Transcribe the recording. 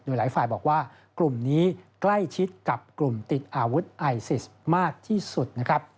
หลายฝ่ายบอกว่ากลุ่มนี้ใกล้ชิดกับกลุ่มติดอาวุธไอซิสมากที่สุดนะครับ